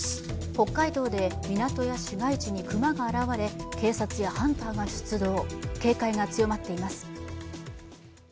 北海道で港や市街地に熊が現れ警察やハンターが出動、警戒が強まっています。